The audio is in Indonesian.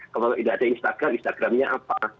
kalau tidak ada instagram instagram nya apa